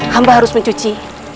hamba harus mencuci